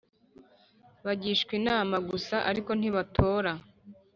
Bagishwa inama gusa ariko ntibatora